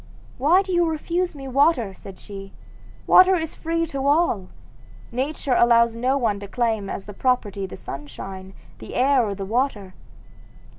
'Why do you refuse me water?' said she; 'water is free to all. Nature allows no one to claim as property the sunshine, the air, or the water.